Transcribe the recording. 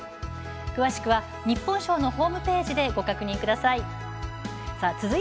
詳しくは日本賞のホームページでご確認ください。